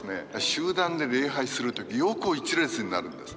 集団で礼拝する時横一列になるんです。